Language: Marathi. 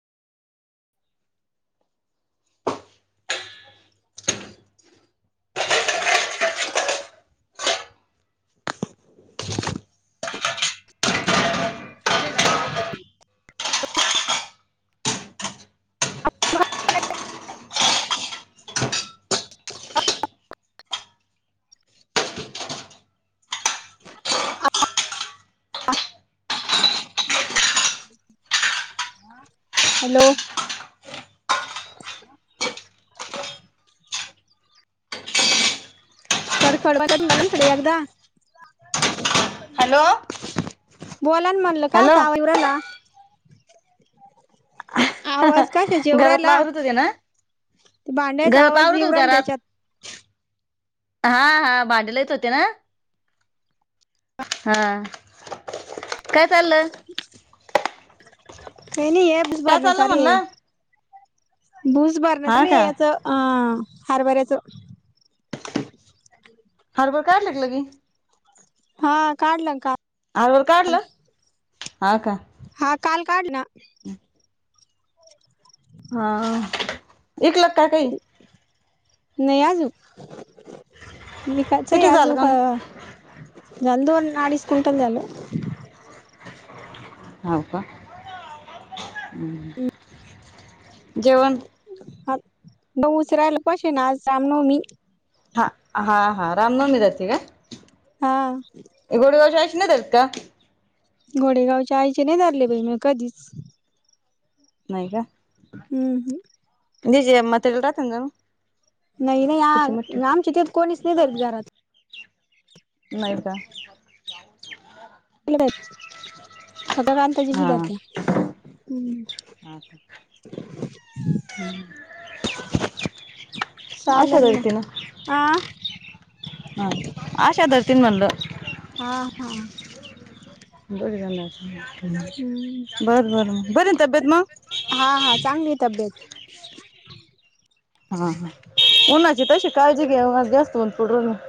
[inaudible] बरंय ना [unintelligible] हॅलो. खड खड [unintelligible] इकडे एकदा. हॅलो. काय हॅलो च आवाज येऊ रायला? आवाज कशाचा येऊ घरातलं राहिला आवरु तुझ्या ना? ते भांड्याचा आवाज घरात [unintelligible] येऊ राहिला घरात त्याच्यात हा हा भांडलेच होते ना? हा. काय चाल्लं? काही नाहि ए भुस भरण्या चालू ए भुस हा भरण्या [unintelligible] का याच अं हरभऱ्याच. हरबरे काढल कां? [unintelligible] हा काढलं ना काल. हळूहळू काढलं. हा का? हा काल काढलं ना. ह आ. एक लाख ताट ए. नाई अजूनं. निघायचय किती झालं आजून का, ना काल दोन अडीच क्विंटल झालं. [inaudible] हो का, हं. जेवण. [unintelligible] आज रामनवमी हा हा हा रामनवमी जाते काय? हां. [unintelligible] घोडेगावच्या आईचे नाही धरले बई मग कधीच. नाही का? हम्म हम. [unintelligible] नाही नाही कुठची मट आज आमच्या ते कोणीच नाही धरित घरात. नई का? आली बाई आता कान त्याच्याशी धरती या. हा का? [unintelligible] ह् [unintelligible] चालेल मग आं- हां. आशा धरते मणल. हां- बर झाल असेल, हम्म बरं- बरं, बरं तब्येत मग? हा. हा. चांगली ए तब्येत. हा हा उन्हाची तशी काळजी घ्या जास्त ऊन पडून.